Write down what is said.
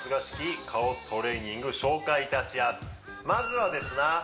まずはですな